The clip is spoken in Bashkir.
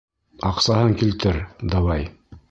Аҡсаһын килтер, давай!